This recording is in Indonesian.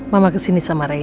mama kesini sama reina